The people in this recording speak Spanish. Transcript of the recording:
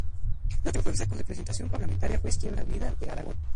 La otra fuerza con representación parlamentaria fue Izquierda Unida de Aragón.